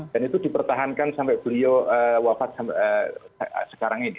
dan itu dipertahankan sampai beliau wafat sekarang ini